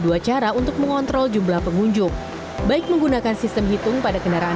dua cara untuk mengontrol jumlah pengunjung baik menggunakan sistem hitung pada kendaraan